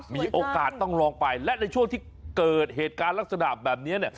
มีโอกาสต้องลองไปและในช่วงที่เกิดเหตุการณ์ลักษณะแบบนี้เนี่ย